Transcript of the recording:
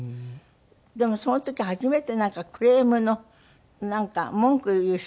でもその時初めてなんかクレームのなんか文句言う人の手紙が？